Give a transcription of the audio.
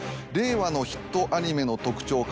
「令和のヒットアニメの特徴」